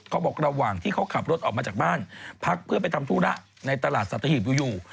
เขาบอกระหว่างที่เขาขับรถออกมาจากบ้านพักเพื่อไปทำธุระในตลาดสัตหีบอยู่